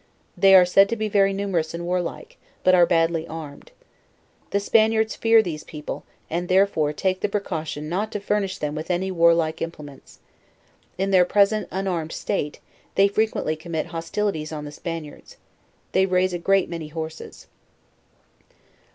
They are said to be very numerous and warlike, but are badly armed. The Spaniards fear these people, arid therefore take the precau tion not to furnish them with any warlike implements. In their present unarmed state, they frequently commit hostili ties on the Spaniards, They raise a great many horses.